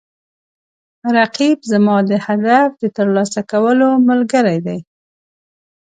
رقیب زما د هدف د ترلاسه کولو ملګری دی